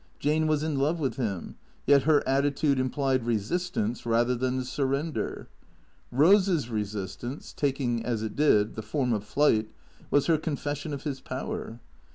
Jane was in love with him; yet her attitude implied resistance rather than surrender. Eose's resistance, taking, as it did, the form of flight, was her confession of his power.